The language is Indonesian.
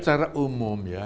secara umum ya